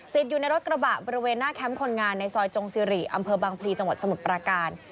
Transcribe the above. ติดอยู่ในรถกระบะบริเวณหน้าแคมป์คนงานในซอยจงซิริอำเภอบางพลีจังหวัดสมุทรประการ